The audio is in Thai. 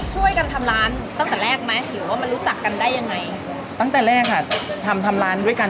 ช่วยกันทำร้านตั้งแต่แรกไหมหรือว่ามันรู้จักกันได้ยังไง